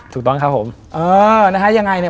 ถูกต้อนครับผม